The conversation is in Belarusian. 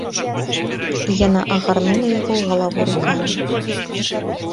І яна агарнула яго галаву рукамі.